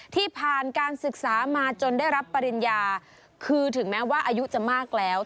ที่ผ่านการศึกษามาจนได้รับปริญญาคือถึงแม้ว่าอายุจะมากแล้ว